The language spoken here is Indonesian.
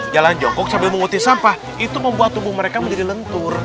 jalan jongkok sambil mengutih sampah itu membuat tubuh mereka menjadi lentur